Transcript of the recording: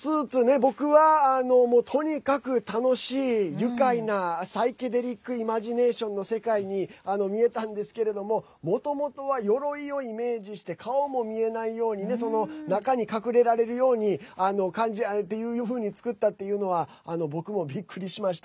僕はとにかく楽しい、愉快なサイケデリックイマジネーションの世界に見えたんですけれどももともとはよろいをイメージして顔も見えないようにね中に隠れられるようにっていうふうに作ったっていうのは僕もびっくりしました。